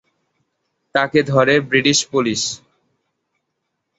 তাকে ধরে British police.